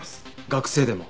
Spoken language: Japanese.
学生でも？